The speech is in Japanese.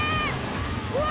うわ！